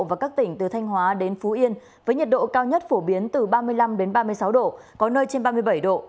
và các tỉnh từ thanh hóa đến phú yên với nhiệt độ cao nhất phổ biến từ ba mươi năm ba mươi sáu độ có nơi trên ba mươi bảy độ